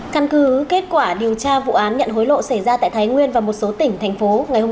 căn cứ kết quả điều tra vụ án nhận hối lộ xảy ra tại thái nguyên và một số tỉnh thành phố ngày hôm